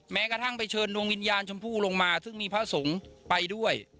แม้กระทั่งไปเชิญดวงวิญญาณชมพู่ลงมาซึ่งมีพระสงฆ์ไปด้วย